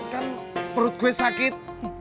kan perut gue sakit